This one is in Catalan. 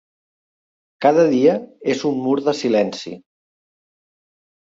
Cada dia és un mur de silenci.